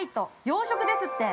洋食ですって。